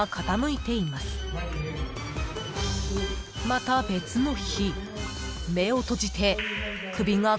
［また別の日］